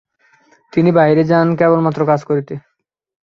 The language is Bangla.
তিনি বাহিরে যান কেবলমাত্র কাজ করিতে।